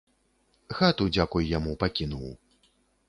Хату, дзякуй яму, пакінуў.